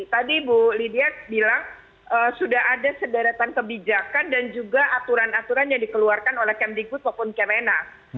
tadi ibu lydia bilang sudah ada sederetan kebijakan dan juga aturan aturannya dikeluarkan oleh kem digut walaupun kem enak